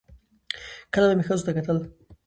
کله به مې ښځو ته کتل